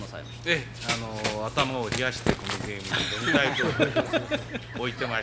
ええあの頭を冷やしてこのゲームに挑みたいと思います。